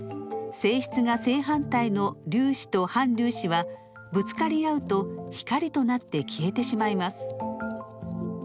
性質が正反対の粒子と反粒子はぶつかり合うと光となって消えてしまいます。